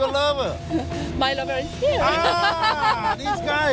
สำหรับช่วยคุณสัญญาติ